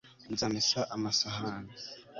nzamesa amasahani